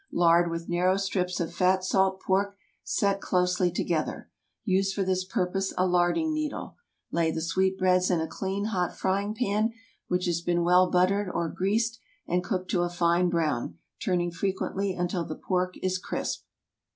Lard with narrow strips of fat salt pork, set closely together. Use for this purpose a larding needle. Lay the sweet breads in a clean, hot frying pan, which has been well buttered or greased, and cook to a fine brown, turning frequently until the pork is crisp.